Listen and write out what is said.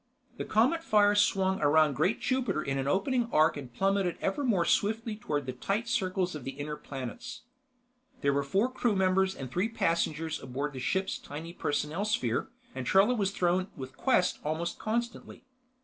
The Cometfire swung around great Jupiter in an opening arc and plummeted ever more swiftly toward the tight circles of the inner planets. There were four crew members and three passengers aboard the ship's tiny personnel sphere, and Trella was thrown with Quest almost constantly.